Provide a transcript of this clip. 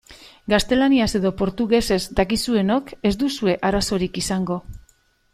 Gaztelaniaz edo portugesez dakizuenok ez duzue arazorik izango.